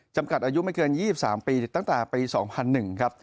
จำกัดอายุไม่เกิน๒๓ปีตั้งแต่ปี๒๐๐๑ครับ